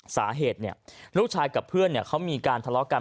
สาเหตุเนี่ยลูกชายกับเพื่อนเนี่ยเขามีการทะเลาะกัน